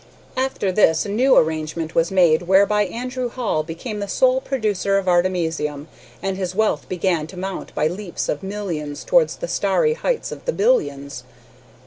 After this a new arrangement was made whereby Andrew Hall became the sole producer of artemisium, and his wealth began to mount by leaps of millions towards the starry heights of the billions.